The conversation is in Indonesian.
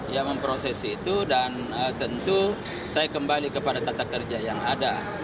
ya memproses itu dan tentu saya kembali kepada tata kerja yang ada